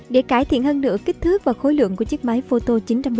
để cải thiện hơn nữa kích thước và khối lượng của chiếc máy photo chín trăm một mươi bốn